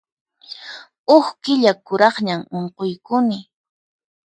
Huk killa kuraqñam unquykuni.